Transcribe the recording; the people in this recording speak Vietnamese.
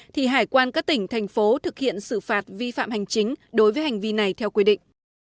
thì hải quan các tỉnh thành phố thực hiện xử phạt vi phạm hành chính đối với hành vi này theo quy định